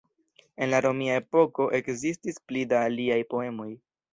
En la romia epoko ekzistis pli da liaj poemoj.